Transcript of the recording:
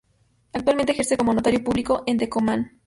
Actualmente ejerce como notario público en Tecomán.